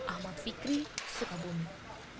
ahmad fikri sukabumi